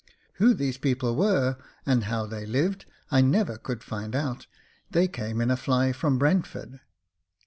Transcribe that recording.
Who these people were, and how they lived, I never could find out : they came in a fly from Brentford.